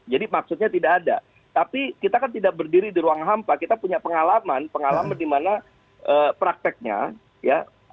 jadi maksudnya tidak ada tapi kita kan tidak berdiri di ruang hampa kita punya pengalaman pengalaman dimana prakteknya ya